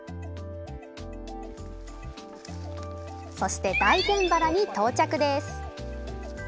そして大膳原に到着です。